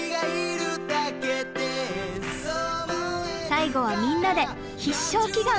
最後はみんなで必勝祈願！